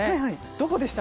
どこでした？